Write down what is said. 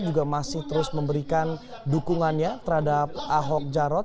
juga masih terus memberikan dukungannya terhadap ahok jarot